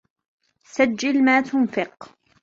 سجّل ما تنفق.